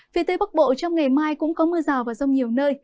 phía tây bắc bộ trong ngày mai cũng có mưa rào và rông nhiều nơi